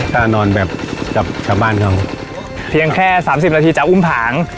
ก็นอนแบบกับชาวบ้านเขาเพียงแค่สามสิบนาทีจะอุ้มผาง